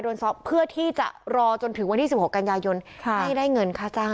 โดนซ้อมเพื่อที่จะรอจนถึงวันที่สิบหกกันยายนค่ะให้ได้เงินค่าจ้าง